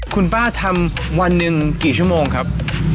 คุณป้าทำวันหนึ่งกี่ชั่วโมงครับ